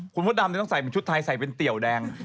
คุณพดดำจะต้องใส่ชุดไทยใส่เป็นเตี๋ยวแดง